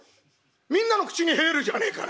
みんなの口に入るじゃねえか。